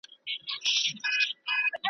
نن د ډیجیټل تبلیغاتو